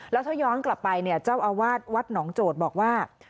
แล้วถ้าย้อนกลับไปเนี่ยเจ้าอาวาสวัดหนองโจทย์บอกว่า